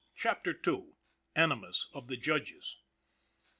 CHAPTER II. ANIMUS OF THE JUDGES.